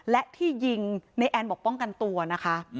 และที่ยิงในแอนบอกป้องกันตัวนะคะ